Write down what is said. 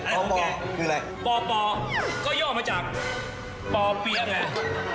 โปคืออะไรอะไรสักแค่งโปก็ย่อมาจากโปเปลี่ยนแหละ